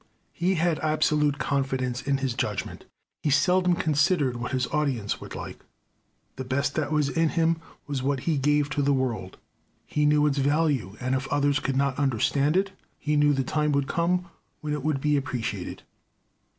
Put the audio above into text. He had absolute confidence in his judgment. He seldom considered what his audience would like. The best that was in him was what he gave to the world. He knew its value, and if others could not understand it, he knew the time would come when it would be appreciated.